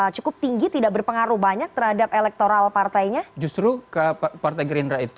cukup tinggi tidak berpengaruh banyak terhadap elektoral partainya justru ke partai gerindra itu